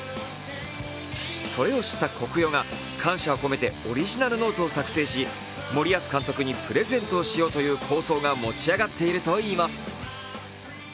それを知ったコクヨが感謝を込めてオリジナルノートを作成し森保監督にプレゼントしようという構想が持ち上がっているといいます。